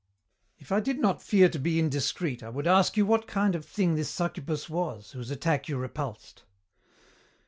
"If I did not fear to be indiscreet, I would ask you what kind of thing this succubus was, whose attack you repulsed."